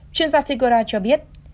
chuyên gia figuera cho biết